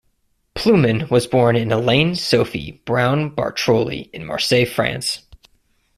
Plewman was born Eliane Sophie Browne-Bartroli in Marseilles, France.